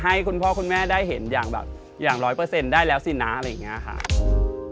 ให้คุณพ่อคุณแม่ได้เห็นอย่างแบบอย่างร้อยเปอร์เซ็นต์ได้แล้วสินะอะไรอย่างนี้ค่ะ